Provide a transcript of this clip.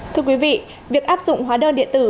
thưa quý vị việc áp dụng hóa đơn điện tử